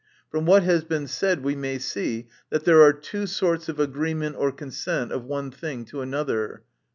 From what has been said we may see, that there are two sorts of agree ment or consent of one thing to another.